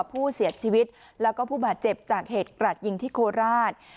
ผู้เสียชีวิตแล้วก็ผู้บาดเจ็บจากเหตุกราดยิงที่โคราช